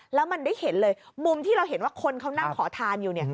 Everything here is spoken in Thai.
แล้วมันได้เห็นเลยมุมที่เราเห็นว่าคนเขานั่งขอทานอยู่เนี่ย